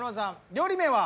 料理名は？